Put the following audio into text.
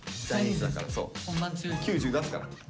９０出すから。